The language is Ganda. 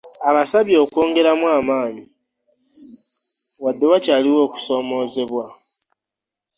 Abasabye okwongeramu amaanyi wadde wakyaliwo okusoomoozebwa.